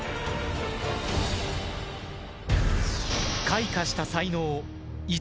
開花した才能。